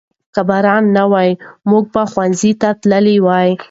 که باران نه وای موږ به ښوونځي ته تللي وو.